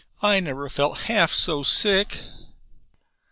I never felt half so sick."